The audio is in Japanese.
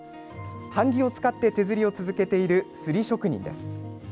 版木を使って手刷りを続けている刷り職人です。